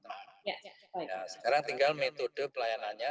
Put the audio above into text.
nah sekarang tinggal metode pelayanannya